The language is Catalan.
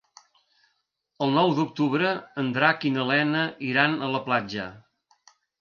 El nou d'octubre en Drac i na Lena iran a la platja.